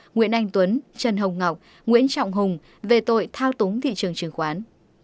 nguyễn anh tuấn trần hồng ngọc nguyễn trọng hùng về tội thao túng thị trường chứng khoán